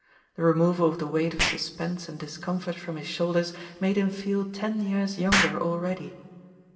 The removal of the weight of suspense and discomfort from his shoulders made him feel ten years younger already.